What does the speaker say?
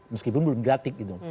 meskipun belum berarti gitu